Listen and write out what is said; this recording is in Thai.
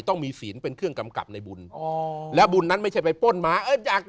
ต้องมีศีลเป็นเครื่องกำกับในบุญอ๋อแล้วบุญนั้นไม่ใช่ไปป้นมาเอออยาก